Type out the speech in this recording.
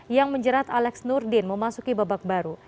yang menjerat alex nurdin memasuki babak baru